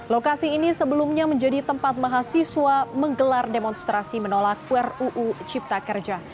lokasi ini sebelumnya menjadi tempat mahasiswa menggelar demonstrasi menolak ruu cipta kerja